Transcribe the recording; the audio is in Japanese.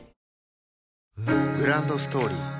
グランドストーリー